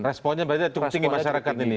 responnya berarti cukup tinggi masyarakat ini ya